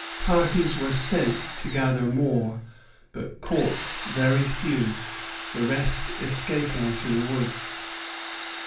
Parties were sent to gather more, but caught very few, the rest escaping to the woods.